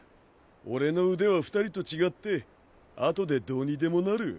俺の腕は二人と違ってあとでどうにでもなる。